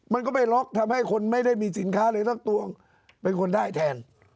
มันก็ไปล็อกทำให้คนไม่ได้มีสินค้าเลยสักตัวเป็นคนได้แทน